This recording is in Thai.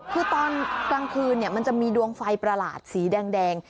คือตอนกลางคืนมันจะมีดวงไฟประหลาดสีแดง